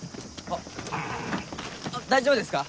あっ大丈夫ですか？